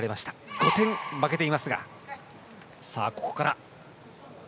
５点負けていますがさあ、ここから。